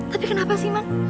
tapi kenapa sih man